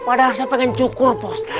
padahal saya pengen cukur pak ustadz